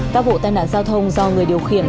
các vụ tai nạn giao thông do người điều khiển